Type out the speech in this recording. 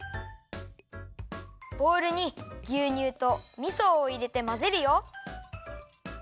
ボウルにぎゅうにゅうとみそをいれてまぜるよ！